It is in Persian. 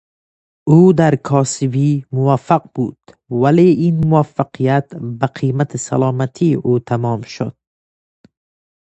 او در کاسبی موفق بود ولی این موفقیت به قمیت سلامتی او تمام شد.